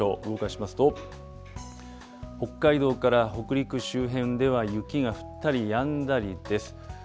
動かしますと、北海道から北陸周辺では雪が降ったりやんだりです。